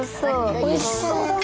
おいしそうだな。